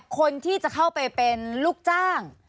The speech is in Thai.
คนที่จะเข้าไปเป็นลูกจ้าง